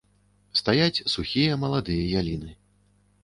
Стаяць сухія маладыя яліны!